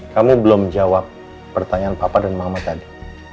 kamu belum jawab pertanyaan papa dan mama tadi